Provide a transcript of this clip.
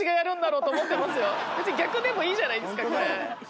別に逆でもいいじゃないですかこれ。